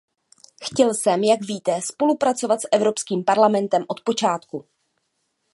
Chtěl jsem, jak víte, spolupracovat s Evropským parlamentem od počátku.